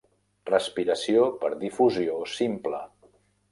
Respiració per difusió simple.